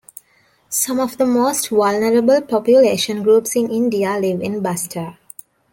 Some of the most vulnerable population groups in India live in Bastar.